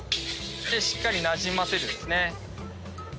しっかりなじませるんですね。